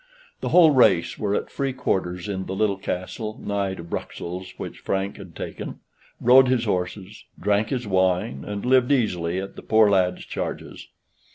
The whole race were at free quarters in the little castle nigh to Bruxelles which Frank had taken; rode his horses; drank his wine; and lived easily at the poor lad's charges.